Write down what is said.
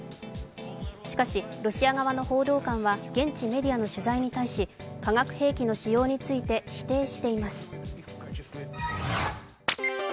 しかしロシア側の報道官は現地メディアの取材に対し化学兵器の使用について否定しています。